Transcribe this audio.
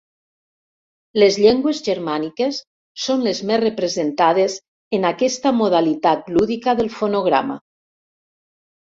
Les llengües germàniques són les més representades en aquesta modalitat lúdica del fonograma.